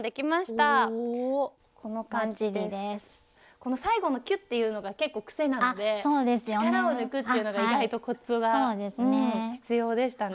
この最後のキュッていうのが結構癖なので力を抜くっていうのが意外とコツが必要でしたね。